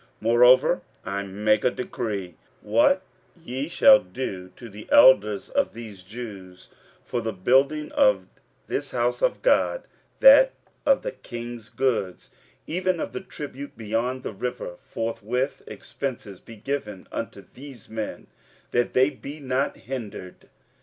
15:006:008 Moreover I make a decree what ye shall do to the elders of these Jews for the building of this house of God: that of the king's goods, even of the tribute beyond the river, forthwith expenses be given unto these men, that they be not hindered.